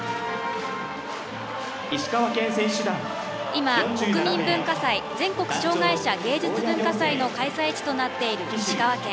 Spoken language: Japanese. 今、国民文化祭全国障害者芸術文化祭の開催地となっている石川県。